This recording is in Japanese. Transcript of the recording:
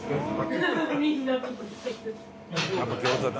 やっぱ餃子だ。